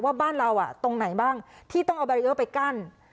ว่าบ้านเราตรงไหนบ้างที่ต้องเอาแบรีเออร์ไปกั้น